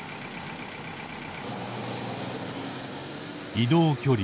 移動距離